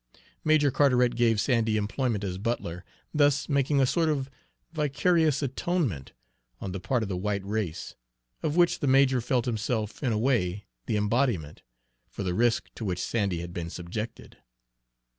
Major Carteret gave Sandy employment as butler, thus making a sort of vicarious atonement, on the part of the white race, of which the major felt himself in a way the embodiment, for the risk to which Sandy had been subjected.